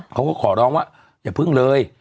เขาก็ขอร้องว่าอย่าพึ่งเลย